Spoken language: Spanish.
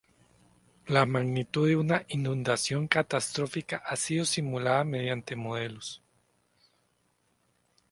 La magnitud de una inundación catastrófica ha sido simulada mediante modelos.